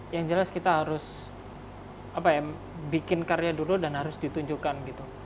yang jelas kita harus bikin karya dulu dan harus ditunjukkan gitu